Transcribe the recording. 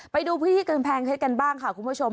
ไปดูพื้นที่กำแพงเพชรกันบ้างค่ะคุณผู้ชม